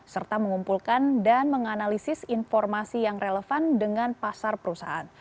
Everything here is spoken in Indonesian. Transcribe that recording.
serta mengumpulkan dan menganalisis informasi yang relevan dengan pasar perusahaan